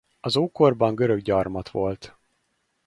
Az ókorban görög gyarmat volt.